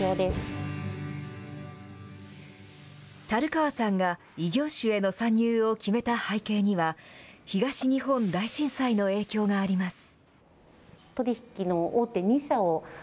樽川さんが異業種への参入を決めた背景には、東日本大震災の影響があります。